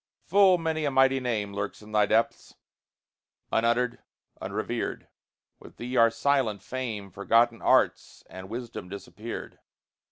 Full many a mighty name Lurks in thy depths, unuttered, unrevered. With thee are silent Fame, Forgotten Arts, and Wisdom disappeared.